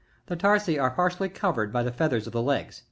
The tarsi are par tially covered by the feathers of the legs.